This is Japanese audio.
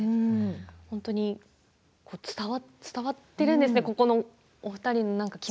本当に伝わっているんですね